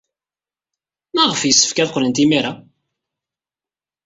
Maɣef ay yessefk ad qqlent imir-a?